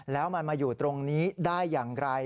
แล้วมันมาอยู่ตรงนี้ได้อย่างไร